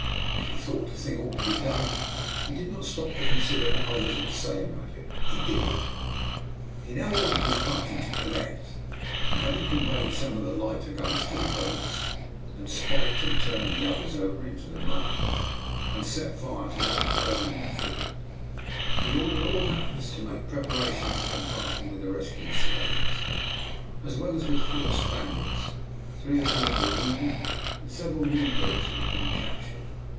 If he thought a thing ought to be done, he did not stop to consider what others would say about it, he did it. He now ordered his party to collect, and having conveyed some of the lighter guns to the boats, and spiked and turned the others over into the mud, and set fire to what would burn in the fort, he ordered all hands to make preparations for embarking with the rescued slaves, as well as with four Spaniards, three of whom were wounded, and several negroes who had been captured.